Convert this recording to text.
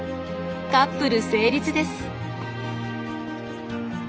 カップル成立です。